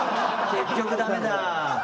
結局ダメだ。